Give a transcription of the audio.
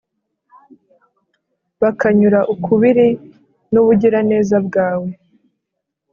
bakanyura ukubiri n’ubugiraneza bwawe.